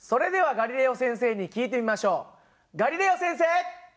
ガリレオ先生！